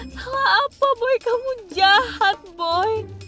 salah apa boy kamu jahat boy